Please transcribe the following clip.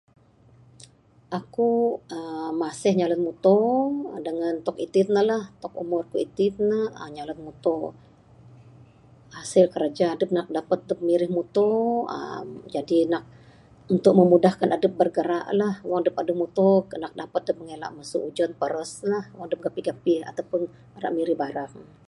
Aku uhh masih nyalan muto dangan tok itin ne la tok umur ku itin ne uhh nyalan muto...hasil kiraja adep nak dapat adep mirih muto uhh jadi nak untuk memudahkan adep bergerak la wang adep adeh muto dapat adep mengelak masu ujan paras la wang adep gapih-gapih ataupun ira mirih barang.